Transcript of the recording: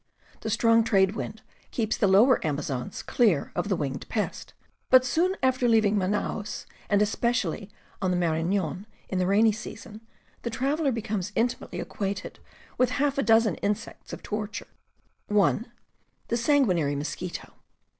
The strong trade wind keeps the lower Amazons clear of the winged pests; but soon after leaving Manaos, and especially on the Maranon in the rainy season, the traveler becomes intimately acquainted with haK a dozen insects of torture: (1) The sanguinary mosquito.